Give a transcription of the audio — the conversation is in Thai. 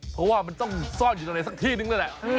เพราะว่ามันต้องซ่อนอยู่ตรงไหนสักที่นึงนั่นแหละ